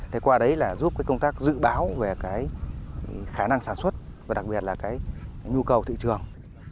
thế qua đấy là giúp công tác dự báo về khả năng sản xuất và đặc biệt là nhu cầu thị trường